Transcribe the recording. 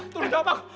tolong jawab aku